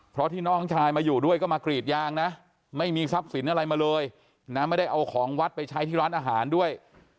เพราะที่น้องชายมาอยู่ด้วยก็มากรีดยางนะไม่มีทรัพย์สินอะไรมาเลยนะไม่ได้เอาของวัดไปใช้ที่ร้านอาหารด้วย